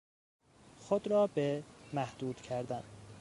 خود را به... محدود کردن